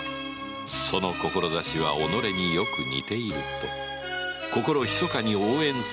その志は己によく似ていると心ひそかに応援する吉宗であった